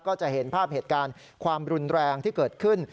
ก็จะเห็นภาพเหตุการณ์ความรุนแรงที่เกิดขึ้น